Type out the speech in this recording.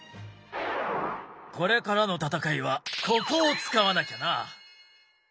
これからの戦いはここを使わなきゃな。